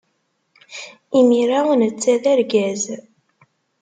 Imir-a netta d argaz.